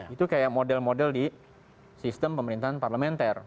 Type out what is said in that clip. itu kayak model model di sistem pemerintahan parlementer